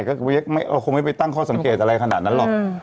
ก็คงไม่ไปตั้งข้อสังเกตอะไรขนาดนั้นหรอก